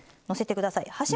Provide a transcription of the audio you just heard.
のせてください。